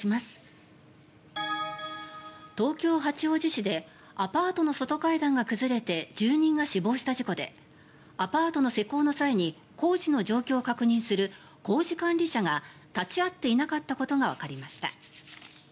東京・八王子市でアパートの外階段が崩れて住人が死亡した事故でアパートの施工の際に工事の状況を確認する工事監理者が立ち会っていなかったことがわかりました。